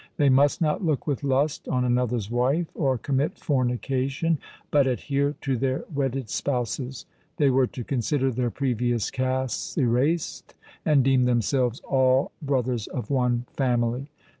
They must not look with lust on another's wife or commit fornication, but adhere to their wedded spouses. They were to consider their previous castes erased, and deem themselves all brothers of one family.